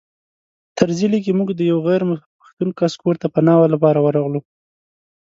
طرزي لیکي موږ د یوه غیر پښتون کس کور ته پناه لپاره ورغلو.